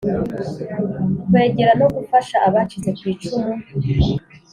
Kwegera no gufasha abacitse ku icumu